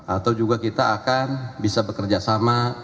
atau juga kita akan bisa bekerja sama